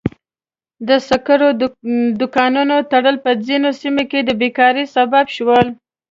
د سکرو د کانونو تړل په ځینو سیمو کې د بیکارۍ سبب شوی.